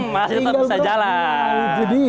masih tetap bisa jalan